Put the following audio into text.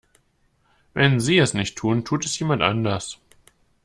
Wenn Sie es nicht tun, tut es jemand anders.